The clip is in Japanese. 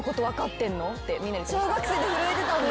小学生で震えてたんだ。